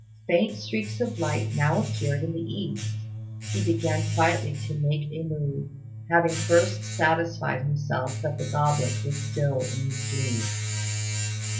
Faint streaks of light now appearing in the east, he began quietly to make a move, having first satisfied himself that the goblet was still in his sleeve.